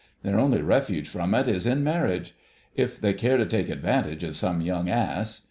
Their only refuge from it is in marriage—if they care to take advantage of some young ass.